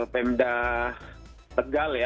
pemda tegal ya